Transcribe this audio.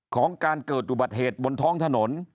ของการเกิดอุบัติเหตุบนท้องถนน